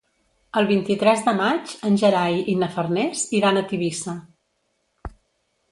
El vint-i-tres de maig en Gerai i na Farners iran a Tivissa.